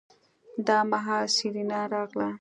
دا مهال سېرېنا راغله.